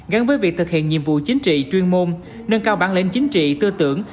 gắn với việc thực hiện nhiệm vụ chính trị chuyên môn nâng cao bản lĩnh chính trị tư tưởng